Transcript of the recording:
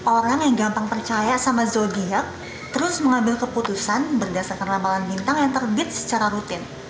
orang yang gampang percaya sama zodiac terus mengambil keputusan berdasarkan ramalan bintang yang terbit secara rutin